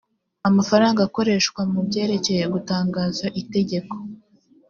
amafaranga akoreshwa mu byerekeye gutangaza itegeko.